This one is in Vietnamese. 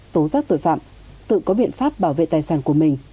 tố giác tội phạm tự có biện pháp bảo vệ tài sản của mình